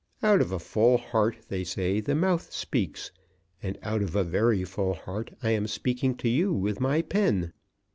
Out of a full heart they say the mouth speaks, and out of a very full heart I am speaking to you with my pen.